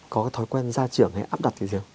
có thói quen gia trưởng hay áp đặt gì không